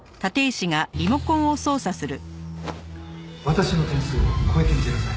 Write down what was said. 「私の点数を超えてみせなさい」